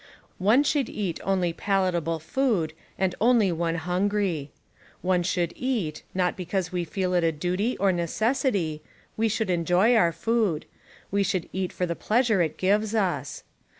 One should eat only palatahle food and only rchen liiingry. We should eat. not because we feel it a duty or necessity — we should enjoy our food; wc should eat for the pleasure it gives us.